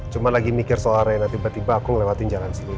cuma lagi mikir suara tiba tiba aku ngelewatin jalan sini